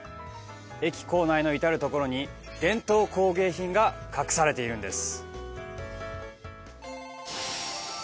駅構内の至る所に、伝統工芸品が隠されているんです。